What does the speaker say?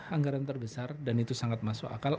sangat besar dan itu sangat masuk akal